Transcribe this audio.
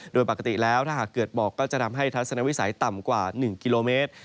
โดยปกติแล้วถ้าหากเกิดบอกก็จะทำให้ทัศนวิสัยต่ำกว่า๑กิโลเมตร